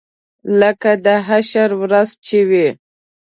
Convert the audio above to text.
لکه د حشر ورځ چې وي.